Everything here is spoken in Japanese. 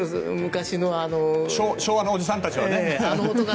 昭和のおじさんたちはね。